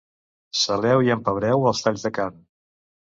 Saleu i empebreu els talls de carn